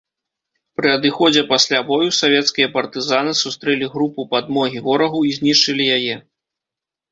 Пры адыходзе пасля бою савецкія партызаны сустрэлі групу падмогі ворагу і знішчылі яе.